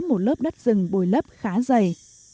một lớp đất rừng bồi lấp khá dày